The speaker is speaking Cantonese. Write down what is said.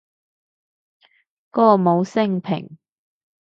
歌舞昇平